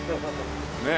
ねえ。